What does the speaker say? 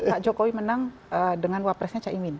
pak jokowi menang dengan wapresnya cak imin